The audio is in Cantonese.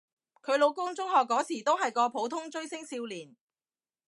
佢老公中學嗰時都係個普通追星少年